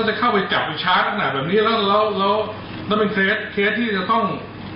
จะเข้าไปจับชาร์จขนาดแบบนี้แล้วแล้วแล้วแล้วแล้วเป็นเคสเคสที่จะต้อง